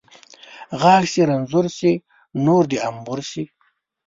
ـ غاښ چې رنځور شي ، نور د انبور شي .